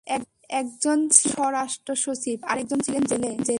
একজন ছিলেন স্বরাষ্ট্র সচিব, আরেকজন ছিলেন জেলে!